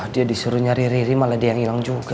dia disuruh nyari nyari malah dia yang hilang juga